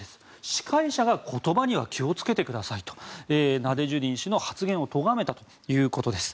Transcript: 司会者が言葉には気をつけてくださいとナデジュディン氏の発言をとがめたということです。